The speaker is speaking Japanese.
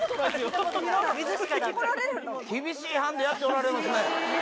厳しい班でやっておられますね。